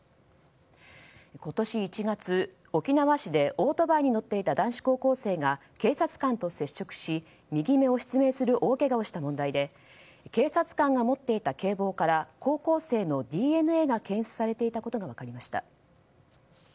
今年１月沖縄市でオートバイに乗っていた男子高校生が警察官と接触し右目を失明する大けがをした問題で警察官が持っていた警棒から高校生のＤＮＡが検出されていたことが分かりました。